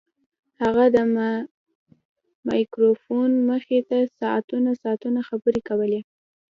هغه د مایکروفون مخې ته ساعتونه ساعتونه خبرې کولې